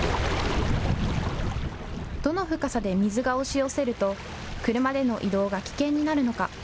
どの深さで水が押し寄せると車での移動が危険になるのか。